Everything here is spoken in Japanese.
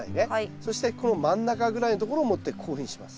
そしてこの真ん中ぐらいのところを持ってこういうふうにします。